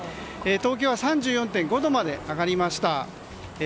東京は３４．５度まで上がりました。